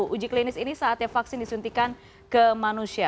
uji klinis ini saatnya vaksin disuntikan ke manusia